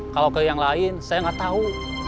kalau ke yang lain saya nggak tahu